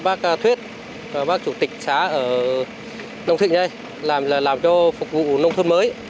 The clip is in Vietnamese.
bác thuyết bác chủ tịch xã ở nông thịnh đây làm cho phục vụ nông thôn mới